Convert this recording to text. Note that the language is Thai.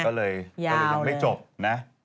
ยาวเลยก็เลยยังไม่จบนะ